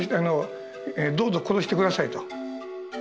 どうぞ殺してください」と。